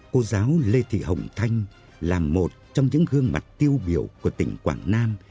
cô giáo lê thị hồng thanh là một trong những gương mặt tiêu biểu của tỉnh quảng nam